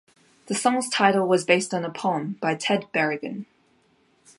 The song's title was based on a poem by Ted Berrigan.